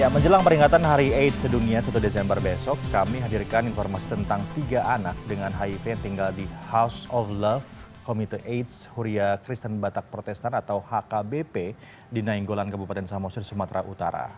menjelang peringatan hari aids sedunia satu desember besok kami hadirkan informasi tentang tiga anak dengan hiv tinggal di house of love committee aids huria kristen batak protestan atau hkbp di nainggolan kabupaten samosir sumatera utara